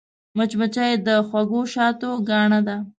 مچمچۍ د خوږ شاتو ګاڼه ده